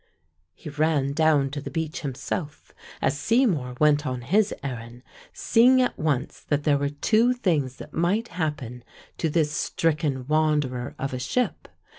He ran down to the beach himself, as Seymour went on his errand, seeing at once that there were two things that might happen to this stricken wanderer of a ship.